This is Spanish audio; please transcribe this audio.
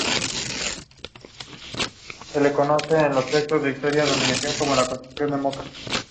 El color de las diferentes especies varía entre el amarillo y el marrón oscuro.